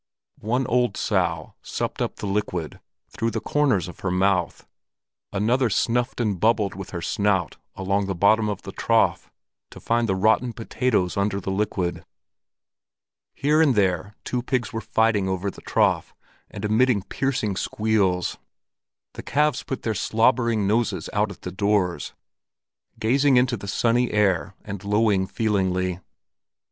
One old sow supped up the liquid through the corners of her mouth, another snuffed and bubbled with her snout along the bottom of the trough to find the rotten potatoes under the liquid. Here and there two pigs were fighting over the trough, and emitting piercing squeals. The calves put their slobbering noses out at the doors, gazing into the sunny air and lowing feelingly.